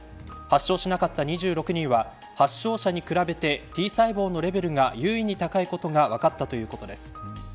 発症しなかった２６人は発症者に比べてＴ細胞のレベルが優位に高いことが分かったということです。